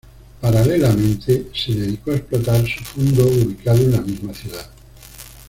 Paralelamente, se dedicó a explotar su fundo ubicado en la misma ciudad.